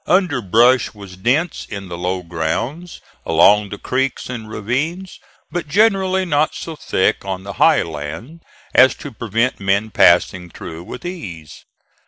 Underbrush was dense in the low grounds along the creeks and ravines, but generally not so thick on the high land as to prevent men passing through with ease.